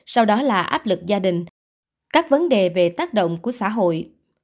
sau đó là áp lực gia đình các vấn đề về tác động của xã hội